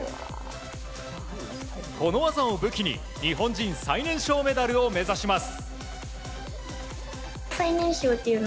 この技を武器に日本人最年少メダルを目指します。